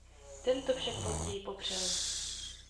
Ten to však později popřel.